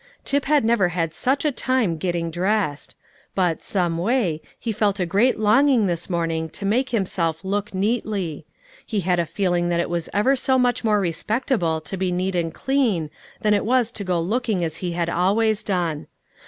Tip had never had such a time getting dressed; but, some way, he felt a great longing this morning to make himself look neatly; he had a feeling that it was ever so much more respectable to be neat and clean than it was to go looking as he had always done.